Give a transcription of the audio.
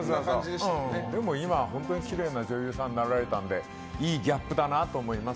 でも今は本当にきれいな女優さんになられたのでいいギャップだなと思います。